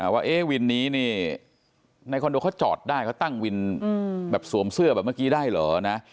ว่าวินนี้นี่ในคอนโดเขาจอดได้เขาตั้งวินแบบสวมเสื้อแบบเมื่อกี้ได้เหรอนะ